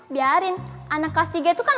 biarin anak kelas tiga aja ya